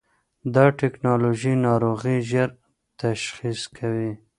دا ټېکنالوژي ناروغي ژر تشخیص کوي.